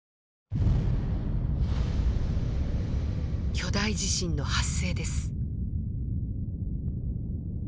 巨大地震の発生です。